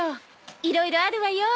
いろいろあるわよ。